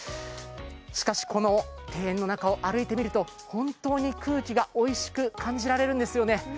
しかし、この庭園の中を歩いてみると本当に空気がおいしく感じられるんですよね。